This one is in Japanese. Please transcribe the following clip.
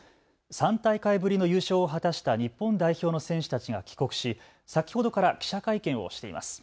３大会ぶりの優勝を果たした日本代表の選手たちが帰国し先ほどから記者会見をしています。